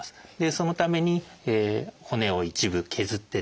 そのために骨を一部削ってですね